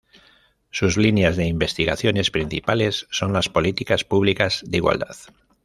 Sus líneas de investigaciones principales son las políticas públicas de igualdad.